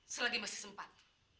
selagi masih sempat